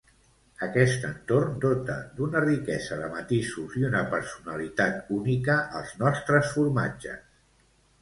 Aquest entorn dota d'una riquesa de matisos i una personalitat única als nostres formatges.